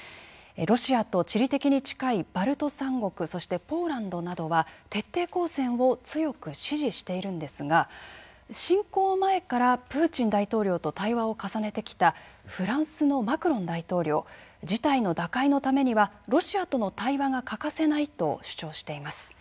ロシアと地理的に近いバルト３国そしてポーランドなどは徹底抗戦を強く支持しているんですが侵攻前からプーチン大統領と対話を重ねてきたフランスのマクロン大統領事態の打開のためにはロシアとの対話が欠かせないと主張しています。